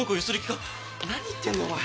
何言ってんのお前。